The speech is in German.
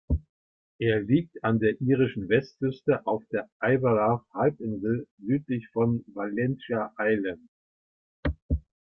Er liegt an der irischen Westküste auf der Iveragh-Halbinsel südlich von Valentia Island.